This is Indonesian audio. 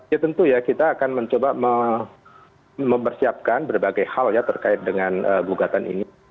ya tentu ya kita akan mencoba mempersiapkan berbagai hal ya terkait dengan gugatan ini